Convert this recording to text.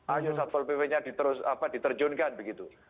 ayo satpol pp nya diterjunkan begitu